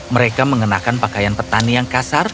mereka mengenakan pakaian petani yang kasar